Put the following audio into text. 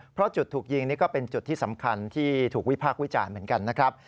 เพราะจุดถูกยิงนี่ก็เป็นจุดที่สำคัญที่ถูกวิพากษ์วิจารณ์เหมือนกันนะครับ